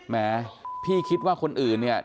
แม้พี่คิดว่าคนอื่นเนี่ย